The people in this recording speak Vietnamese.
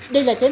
đây là thế mạnh